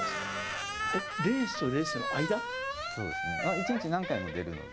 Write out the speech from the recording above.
一日何回も出るので。